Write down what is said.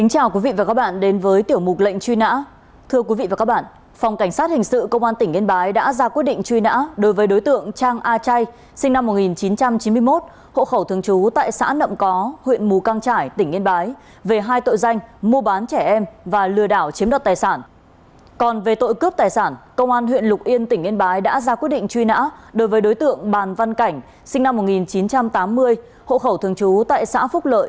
hãy đăng ký kênh để ủng hộ kênh của chúng mình nhé